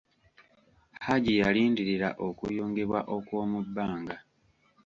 Haji yalindirira okuyungibwa okw'omu bbanga.